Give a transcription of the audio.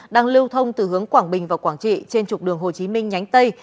đang lưu thông từ hướng quảng bình và quảng trị trên trục đường hồ chí minh nhánh tây